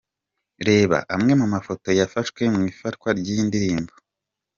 Reba amwe mu mafoto yafashwe mu ifatwa ry’iyi ndirimbo.